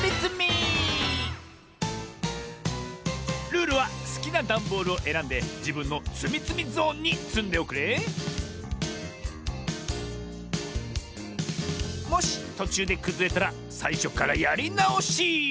ルールはすきなダンボールをえらんでじぶんのつみつみゾーンにつんでおくれもしとちゅうでくずれたらさいしょからやりなおし！